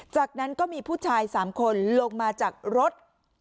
จากนั้นก็มีผู้ชาย๓คนลงมาจากรถ